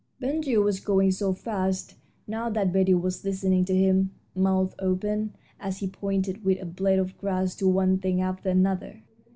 Ben Gile was going so fast now that Betty was listening to him, mouth open, as he pointed with a blade of grass to one thing after another.